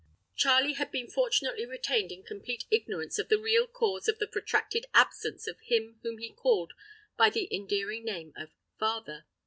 Charley had been fortunately retained in complete ignorance of the real cause of the protracted absence of him whom he called by the endearing name of "father."